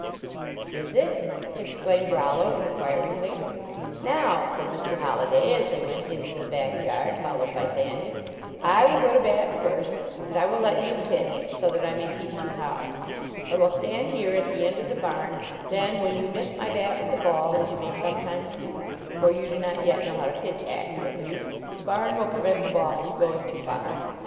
"Is it?" exclaimed Rollo, inquiringly. "Now," said Mr. Holliday, as they went into the back yard, followed by Thanny, " I will go to bat first, and I will let you pitch, so LEARNING TO PLAY that I may teach you how. I will stand here at the end of the barn, then when you miss my bat with the ball, as you may sometimes do, for you do not yet know how to pitch ac curately, the barn will prevent the ball from going too far."